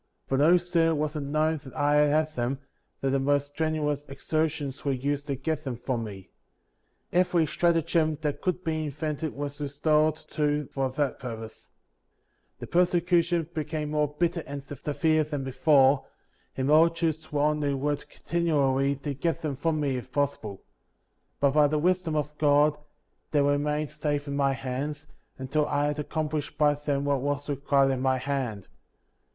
For no sooner was it known that I had them, than the most strenuous exertions were used to get them from me. Every stratagem that could be invented was resorted to for that purpose. The persecution became more bitter and severe than Digitized by Google 96 PEARL OF GEEAT PRICE. before, and multitudes were on the alert continually to get them from me if possible. But by the Wisdom of God, they remained safe in my hands, until I had accomplished by them what was required at my hand.